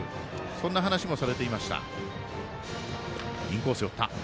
そんな話もされていました。